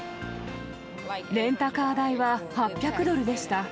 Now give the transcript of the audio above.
レンタカー代は８００ドルでした。